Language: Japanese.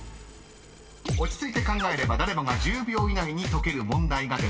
［落ち着いて考えれば誰もが１０秒以内に解ける問題が出ます］